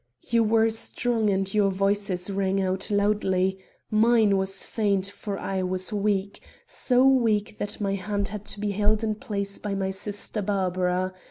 You were strong and your voices rang out loudly. Mine was faint, for I was weak so weak that my hand had to be held in place by my sister Barbara.